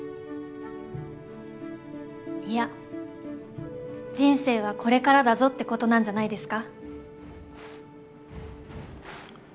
いや人生はこれからだぞってことなんじゃないですか？